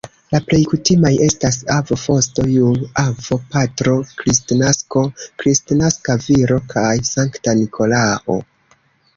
La plej kutimaj estas "Avo Frosto", "Jul-Avo", "Patro Kristnasko", "Kristnaska Viro" kaj "Sankta Nikolao".